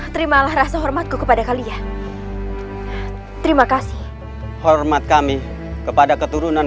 terimalah rasa hormatku kepada kalian terima kasih hormat kami kepada keturunan